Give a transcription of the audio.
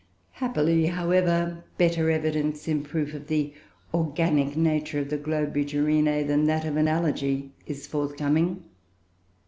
Happily, however, better evidence in proof of the organic nature of the Globigerinoe than that of analogy is forthcoming.